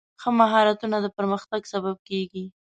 ښه مهارتونه د پرمختګ سبب کېږي.